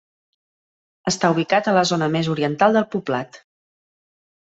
Està ubicat a la zona més oriental del poblat.